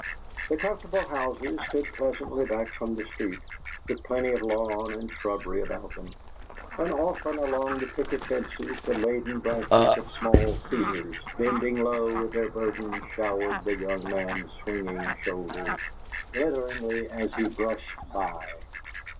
The comfortable houses stood pleasantly back from the street, with plenty of lawn and shrubbery about them; and often, along the picket fences, the laden branches of small cedars, bending low with their burden, showered the young man's swinging shoulders glitteringly as he brushed by.